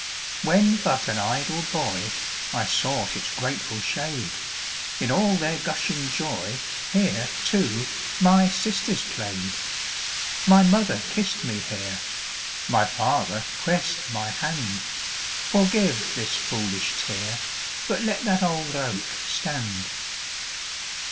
When but an idle boy, I sought its grateful shade; In all their gushing joy Here, too, my sisters played. My mother kissed me here; My father pressed my hand Forgive this foolish tear, But let that old oak stand.